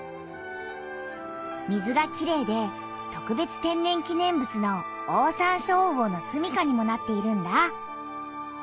水がきれいで特別天然記念物のオオサンショウウオのすみかにもなっているんだ。